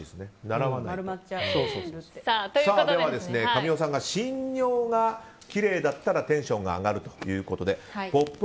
神尾さんがしんにょうがきれいだったらテンションが上がるということで「ポップＵＰ！」